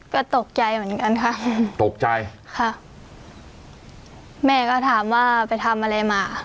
ก็ตกใจเหมือนกันค่ะตกใจค่ะแม่ก็ถามว่าไปทำอะไรมา